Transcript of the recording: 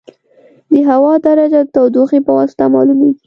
د هوا درجه د تودوخې په واسطه معلومېږي.